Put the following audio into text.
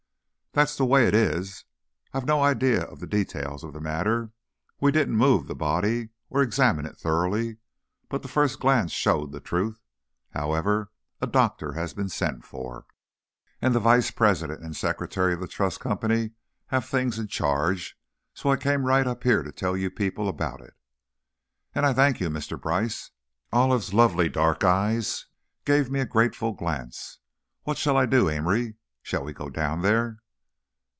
"That's the way it is. I've no idea of the details of the matter. We didn't move the body, or examine it thoroughly, but the first glance showed the truth. However, a doctor has been sent for, and the vice president and secretary of the Trust Company have things in charge, so I came right up here to tell you people about it." "And I thank you, Mr. Brice," Olive's lovely dark eyes gave me a grateful glance. "What shall I do, Amory? Shall we go down there?"